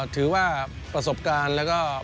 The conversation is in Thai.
ถือว่าประสบการณ์